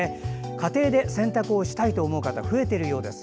家庭で洗濯をしたいと思う方増えているようです。